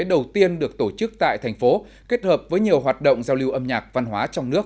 đầu tiên được tổ chức tại thành phố kết hợp với nhiều hoạt động giao lưu âm nhạc văn hóa trong nước